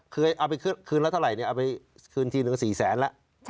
เคยเอาไปคืนแล้วเท่าไหร่เนี่ยเอาไปคืนทีนึงสี่แสนแล้ว